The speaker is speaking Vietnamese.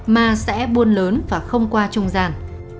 mà sẽ buôn lớn và không qua trung gian